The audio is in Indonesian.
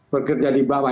berkerja di bawah